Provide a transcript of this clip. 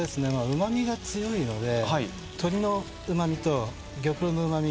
うまみが強いので鶏のうまみと玉露のうまみ